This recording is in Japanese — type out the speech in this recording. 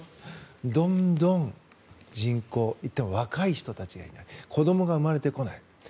どんどん人口行っても、若い人がいない子どもが産まれてこない。